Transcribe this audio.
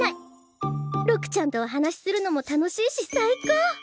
六ちゃんとお話しするのも楽しいし最高！